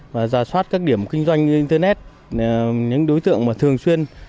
và giả soát các điểm kinh doanh như internet những đối tượng thường xuyên